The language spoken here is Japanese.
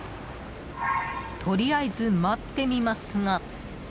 とりあえず待ってみますが。